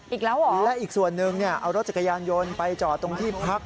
อีกแล้วเหรอและอีกส่วนนึงเนี่ยเอารถจักรยานยนต์ไปจอดตรงที่พัก